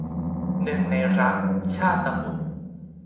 หนึ่งในรัก - ชาตบุษย์